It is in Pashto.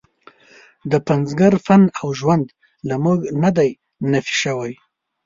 د پنځګر فن او ژوند له موږ نه دی نفي شوی.